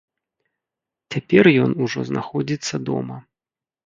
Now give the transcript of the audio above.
Цяпер ён ужо знаходзіцца дома.